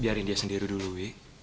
biarin dia sendiri dulu ya